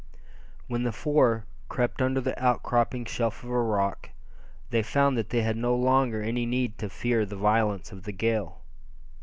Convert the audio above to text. When the four crept under the outcropping shelf of rock, they found that they had no longer any need to fear the violence of the gale.